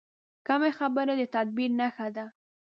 کمې خبرې، د تدبیر نښه ده.